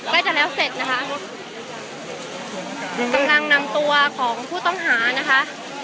ก็จะแล้วเสร็จนะคะกำลังนำตัวของผู้ต้องหานะคะ